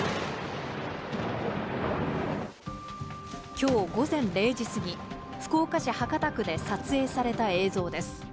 きょう午前０時過ぎ、福岡市博多区で撮影された映像です。